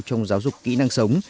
trong giáo dục kỹ năng sống